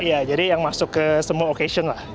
iya jadi yang masuk ke semua occasion lah